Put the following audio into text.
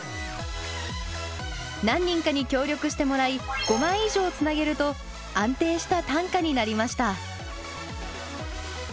何人かに協力してもらい５枚以上つなげると安定した担架になりました。